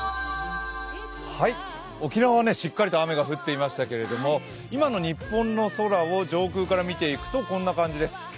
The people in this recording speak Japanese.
沖縄は、しっかりと雨が降っていましたけれども今の日本の空を上空から見ていくとこんな感じです。